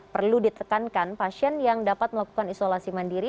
perlu ditekankan pasien yang dapat melakukan isolasi mandiri